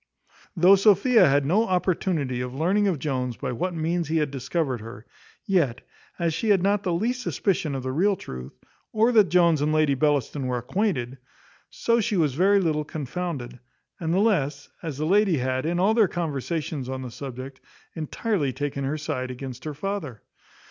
Though Sophia had no opportunity of learning of Jones by what means he had discovered her, yet, as she had not the least suspicion of the real truth, or that Jones and Lady Bellaston were acquainted, so she was very little confounded; and the less, as the lady had, in all their conversations on the subject, entirely taken her side against her father.